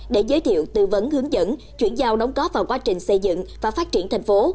để giới thiệu tư vấn hướng dẫn chuyển giao đóng góp vào quá trình xây dựng và phát triển thành phố